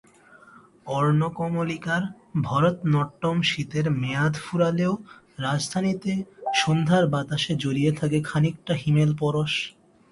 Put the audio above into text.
অর্ণ কমলিকার ভরতনাট্যমশীতের মেয়াদ ফুরালেও রাজধানীতে সন্ধ্যার বাতাসে জড়িয়ে থাকে খানিকটা হিমেল পরশ।